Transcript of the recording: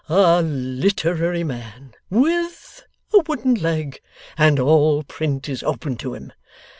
'"A literary man WITH a wooden leg and all Print is open to him!"